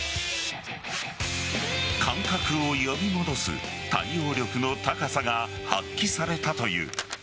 感覚を呼び戻す対応力の高さが発揮されたという。